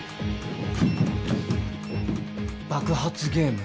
「爆発ゲーム！